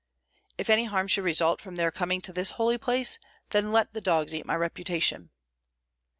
"If any harm should result from their coming to this holy place, then let the dogs eat my reputation."